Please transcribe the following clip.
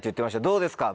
どうですか？